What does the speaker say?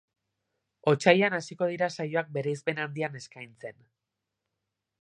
Otsailean hasiko dira saioak bereizmen handian eskaintzen.